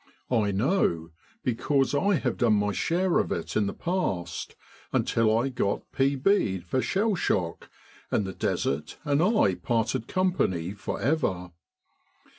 I know, because I have done my share of it in the past, until I got P.B.'d for shell shock, and the Desert and I parted company for ever.